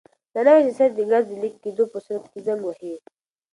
دا نوی سینسر د ګازو د لیک کېدو په صورت کې زنګ وهي.